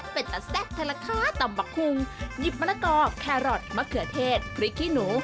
เป็นตะแซ่บแทนละค้าตำมะคุงหยิบมะละกอแครอทมะเขือเทศพริกขี้หนู